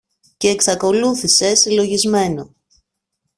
κι εξακολούθησε συλλογισμένο